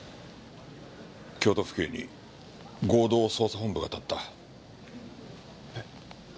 京都府警に合同捜査本部が立った。え？